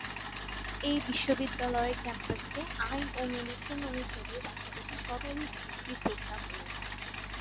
এই বিশ্ববিদ্যালয়ের ক্যাম্পাসে আইন ও মেডিসিন অনুষদের পাশাপাশি শতাধিক ডিগ্রি প্রোগ্রাম রয়েছে।